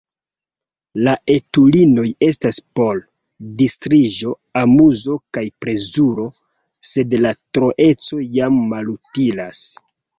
La etulinoj estas por distriĝo, amuzo kaj plezuro, sed la troeco jam malutilas!